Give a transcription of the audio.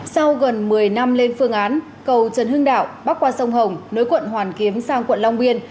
sau gần một mươi năm lên phương án cầu trần hưng đạo bắc qua sông hồng nối quận hoàn kiếm sang quận long biên